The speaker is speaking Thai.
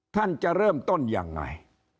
ท่านจะเริ่มต้นยังไง